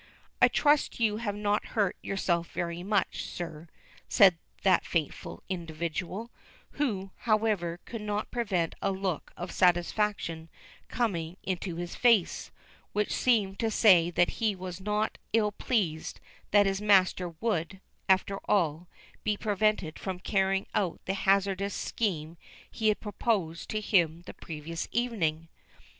"I trust you have not hurt yourself very much, sir," said that faithful individual, who, however, could not prevent a look of satisfaction coming into his face, which seemed to say that he was not ill pleased that his master would, after all, be prevented from carrying out the hazardous scheme he had proposed to him the previous evening.